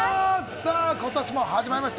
さあ今年も始まりました